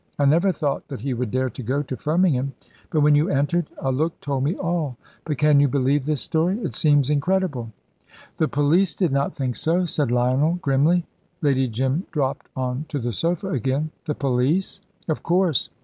I never thought that he would dare to go to Firmingham; but when you entered, a look told me all. But can you believe this story it seems incredible?" "The police do not think so," said Lionel, grimly. Lady Jim dropped on to the sofa again. "The police!" "Of course.